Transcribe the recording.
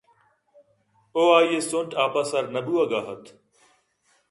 )ءُ آئی ءِ سُنٹ آپ ءَ سر نہ بُوہگ ءَ اَت